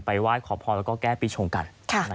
ไหว้ขอพรแล้วก็แก้ปีชงกัน